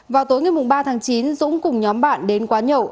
vào tối ngày ba tháng chín dũng cùng nhóm bạn đến quán nhậu